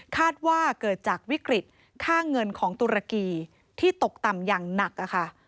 คาดว่าเกิดจากวิกฤตค่าเงินของตุรกีที่ตกต่ำอย่างหนักค่ะ